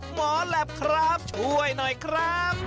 หมอแหลปครับช่วยหน่อยครับ